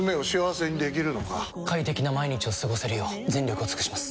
快適な毎日を過ごせるよう全力を尽くします！